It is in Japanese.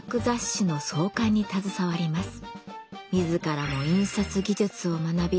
自らも印刷技術を学び